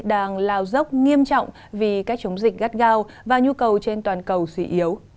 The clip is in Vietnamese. đang lao dốc nghiêm trọng vì cách chống dịch gắt gao và nhu cầu trên toàn cầu suy yếu